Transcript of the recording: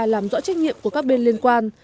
làm rõ trách nhiệm của các bên liên quan